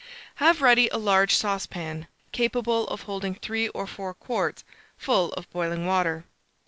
Have ready a large saucepan, capable of holding 3 or 4 quarts, full of boiling water.